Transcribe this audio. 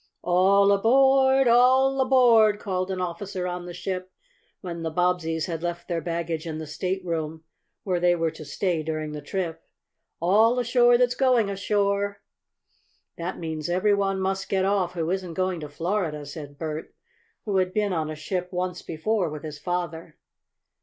"All aboard! All aboard!" called an officer on the ship, when the Bobbseys had left their baggage in the stateroom where they were to stay during the trip. "All ashore that's going ashore!" "That means every one must get off who isn't going to Florida," said Bert, who had been on a ship once before with his father.